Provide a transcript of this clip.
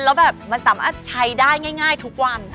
แล้วแบบมันสามารถใช้ได้ง่ายทุกวัน